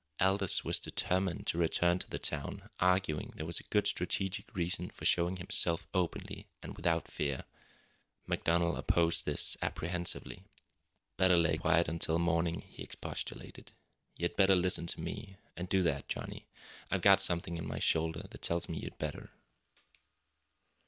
Aldous was determined to return to the town, arguing there was a good strategic reason for showing himself openly and without fear. MacDonald opposed this apprehensively. "Better lay quiet until morning," he expostulated. "You'd better listen to me, an' do that, Johnny. I've got something in my shoulder that tells me you'd better!"